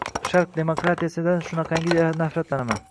Sharq "demokratiya"sidan shunaqangi nafratlanaman.